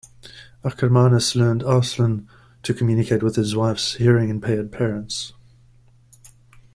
Akermanis learned Auslan to communicate with his wife's hearing-impaired parents.